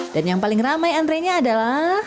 dan yang paling ramai antrenya adalah